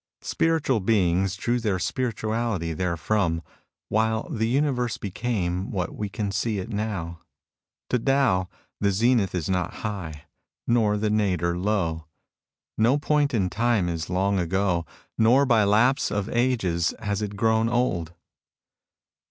Spiritual beings drew their spirituality therefrom, while the universe became what we can see it now. To Tao, the zenith is not high, nor the nadir low ; no point in time is long ago, nor by lapse of ages has it grown old.